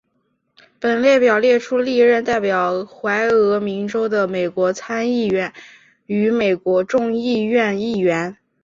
本列表列出历任代表怀俄明州的美国参议院与美国众议院议员。